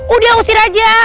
udah usir aja